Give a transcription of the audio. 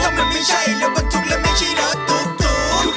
มันไม่ใช่รถตุกตุกมันรถมหาสนุก